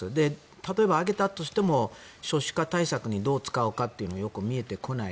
例えば上げたとしても少子化対策にどう使うかというのがよく見えてこない。